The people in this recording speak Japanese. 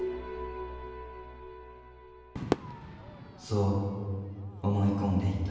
そう思い込んでいた。